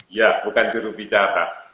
iya bukan juru bicara